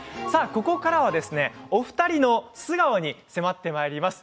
ここからは、お二人の素顔に迫ってまいります。